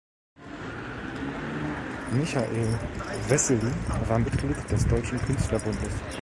Michael Wesely war Mitglied des Deutschen Künstlerbundes.